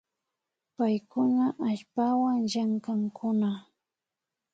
Paykuna allpawan llankankuna